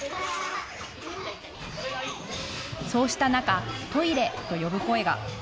そうした中、トイレと呼ぶ声が。